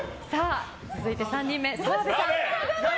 続いて３人目、澤部さん。